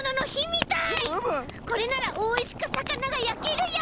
これならおいしくさかながやけるよ！